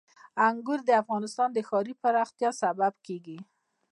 انګور د افغانستان د ښاري پراختیا سبب کېږي.